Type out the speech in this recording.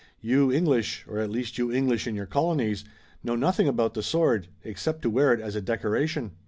You English, or at least you English in your colonies, know nothing about the sword, except to wear it as a decoration!"